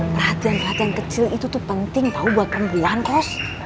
perhatian perhatian kecil itu tuh penting tahu buat pembelian kos